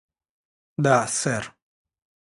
Да, сэр